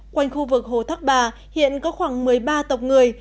quanh khu vực hồ thác bà hiện có khoảng một mươi ba tộc người